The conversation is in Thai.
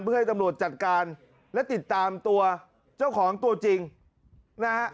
เพื่อให้ตำรวจจัดการและติดตามตัวเจ้าของตัวจริงนะฮะ